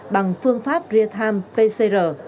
bằng phương pháp rear time pcr